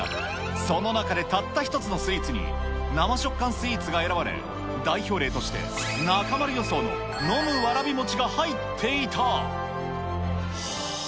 その中でたった一つのスイーツに、生食感スイーツが選ばれ、代表例として、中丸予想の飲むわらびもちが入っていた。